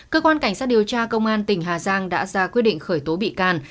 cơ quan cảnh sát điều tra công an tỉnh hà giang đã ra quyết định khởi tố bị can